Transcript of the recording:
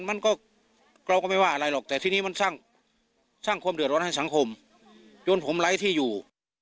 มันก็เราก็ไม่ว่าอะไรหรอกแต่ทีนี้มันสร้างความเดือดร้อนให้สังคมจนผมไร้ที่อยู่